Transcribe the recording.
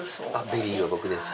ベリーは僕です。